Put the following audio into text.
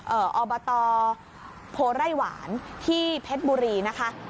เอ่ออลบาตอโพระไหวรที่เพชรบุรีนะคะ